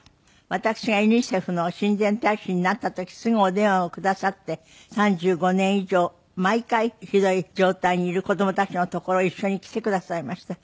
私がユニセフの親善大使になった時すぐお電話をくださって３５年以上毎回ひどい状態にいる子供たちの所へ一緒に来てくださいました。